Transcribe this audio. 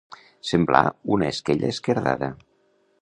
Semblar una esquella esquerdada.